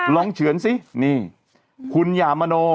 ลองเฉือนสินี่คุณอย่ามโมโน